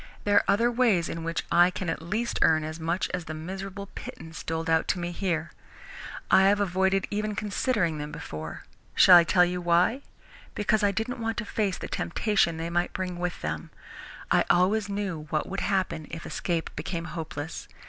"There are other ways in which I can at least earn as much as the miserable pittance doled out to me here. I have avoided even considering them before. Shall I tell you why? Because I didn't want to face the temptation they might bring with them. I always knew what would happen if escape became hopeless.